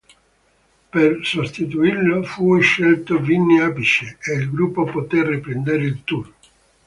Per sostituirlo fu scelto Vinnie Appice e il gruppo poté riprendere il Tour.